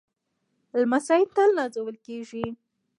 لمسی تل نازول کېږي.